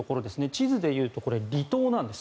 地図でいうと、離島なんです。